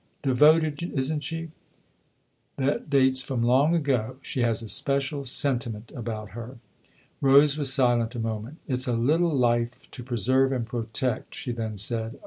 " Devoted, isn't she ? That dates from long ago. She has a special sentiment about her." Rose was silent a moment. " It's a little life to preserve and protect," she then said.